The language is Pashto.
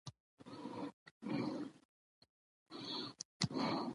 د مېلو یوه مهمه برخه د خوړنیزو توکو نندارتونونه دي.